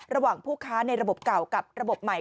ระหว่างผู้ค้าในระบบเก่ากับระบบใหม่